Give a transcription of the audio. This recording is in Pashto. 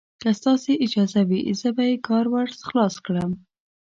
که ستاسې اجازه وي، زه به یې کار ور خلاص کړم.